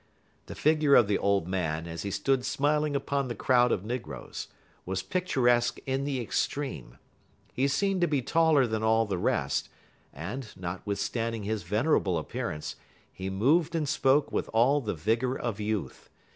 The figure of the old man, as he stood smiling upon the crowd of negroes, was picturesque in the extreme. He seemed to be taller than all the rest; and, notwithstanding his venerable appearance, he moved and spoke with all the vigor of youth.